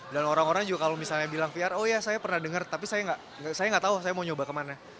dan orang orang juga kalau misalnya bilang vr oh iya saya pernah dengar tapi saya nggak tahu saya mau nyoba kemana